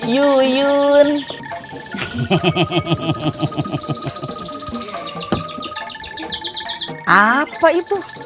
gak mau dia tumbuh